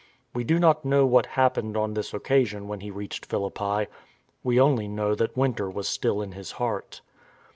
We do not know what happened on this occasion when he reached Philippi; we only know that winter was still in his heart.